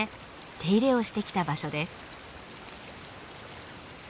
手入れをしてきた場所です。